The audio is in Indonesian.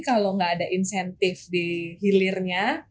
kalau nggak ada insentif di hilirnya